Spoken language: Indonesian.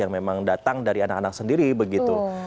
yang memang datang dari anak anak sendiri begitu